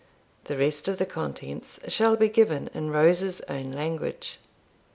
The rest of the contents shall be given in Rose's own language.